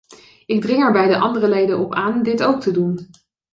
Ik dring er bij de andere leden op aan dit ook te doen.